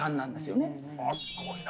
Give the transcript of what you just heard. あすごいな。